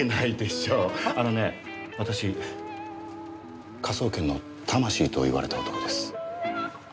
あのね私科捜研の魂と言われた男です。